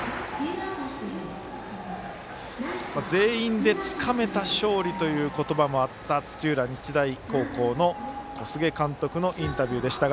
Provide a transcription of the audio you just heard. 全員でつかめた勝利という言葉もあった土浦日大高校の小菅監督のインタビューでした。